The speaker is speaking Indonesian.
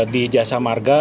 di jasa marga